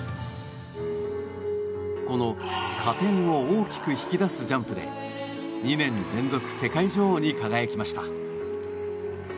この加点を大きく引き出すジャンプで２年連続世界女王に輝きました。